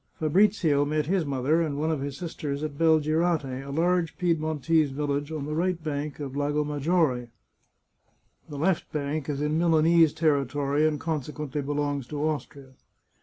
Fabrizio met his mother and one of his sisters at Bel girate, a large Piedmontese village on the right bank of the Lago Maggiore. The left bank is in Milanese territory, and consequently belongs to Austria.